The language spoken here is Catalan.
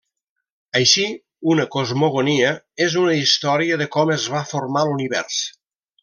Així, una cosmogonia és una història de com es va formar l'univers.